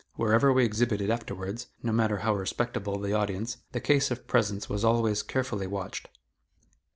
Wherever we exhibited afterwards, no matter how respectable the audience, the case of presents was always carefully watched.